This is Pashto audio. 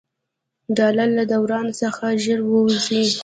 ډالر له دوران څخه ژر ووځي.